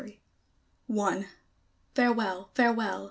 Farewell! Farewell!